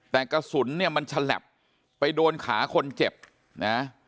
แต่กระสุนเนี่ยมันฉลับไปโดนขาคนเจ็บนะ